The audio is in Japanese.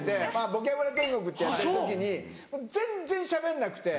『ボキャブラ天国』やってる時に全然しゃべんなくて。